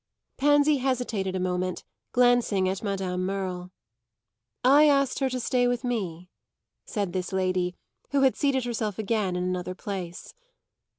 Pansy hesitated a moment, glancing at Madame Merle. "I asked her to stay with me," said this lady, who had seated herself again in another place.